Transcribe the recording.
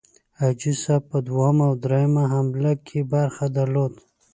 حاجي صاحب په دوهمه او دریمه حمله کې برخه درلوده.